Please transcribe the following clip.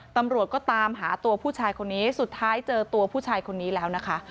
ตำรวจก็ตามหาตัวผู้ชายคนนี้สุดท้ายเจอตัวผู้ชายคนนี้แล้วนะคะ